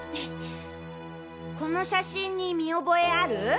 この写真に見覚えある？